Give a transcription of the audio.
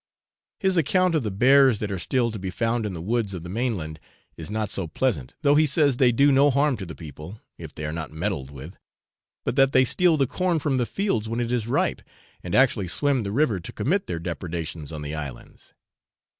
His account of the bears that are still to be found in the woods of the mainland, is not so pleasant, though he says they do no harm to the people, if they are not meddled with, but that they steal the corn from the fields when it is ripe, and actually swim the river to commit their depredations on the islands.